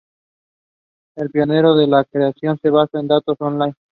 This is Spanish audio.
Es pionero en la creación de bases de datos on line.